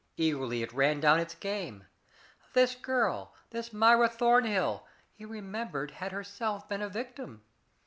Eagerly it ran down its game. This girl this Myra Thornhill he remembered, had herself been a victim.